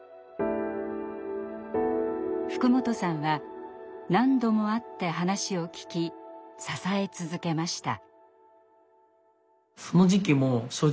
福本さんは何度も会って話を聞き支え続けました。